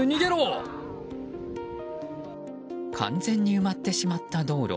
完全に埋まってしまった道路。